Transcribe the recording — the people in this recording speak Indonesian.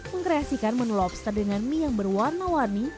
mengkreasikan menu lobster dengan mie yang berwarna warni